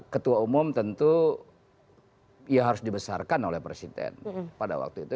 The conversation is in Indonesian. ketua umum tentu ya harus dibesarkan oleh presiden pada waktu itu